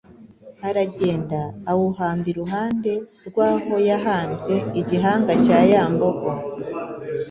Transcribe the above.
aragenda awuhamba iruhande rw’aho yabambye igihanga cya ya mbogo,